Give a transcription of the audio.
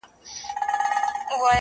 څۀ کوي کاروان چې کله سور ګلابي شعر وایي